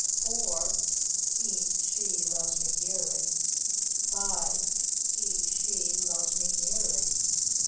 Four he (she) loves me dearly. Five he (she) loves me nearly.